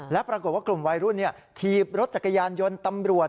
และปรากฏว่ากลุ่มวัยรุ่นถีบรถจักรยานยนต์ตำรวจ